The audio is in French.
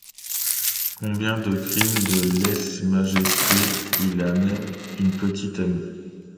Comble du crime de lèse-majesté, il a même une petite amie.